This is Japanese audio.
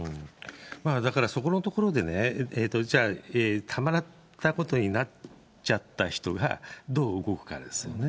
だから、そこのところでね、じゃあ、たまったことになっちゃった人が、どう動くかですよね。